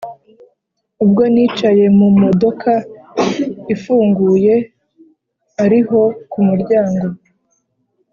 Ubwo nicaye mu mudoka ifunguye ariho ku muryango